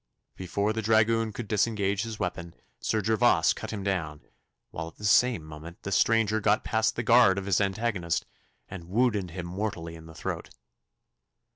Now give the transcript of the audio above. Before the dragoon could disengage his weapon, Sir Gervas cut him down, while at the same moment the stranger got past the guard of his antagonist, and wounded him mortally in the throat.